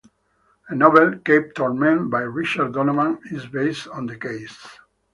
A novel, "Cape Torment" by Richard Donovan, is based on the case.